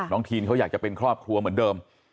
ทีนเขาอยากจะเป็นครอบครัวเหมือนเดิม